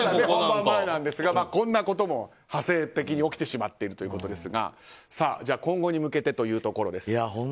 本番前なんですがこんなことも派生的に起きているということですが今後に向けてというところです。